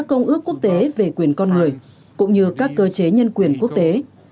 việt nam cũng không ước quốc tế về quyền con người cũng như các cơ chế nhân quyền quốc tế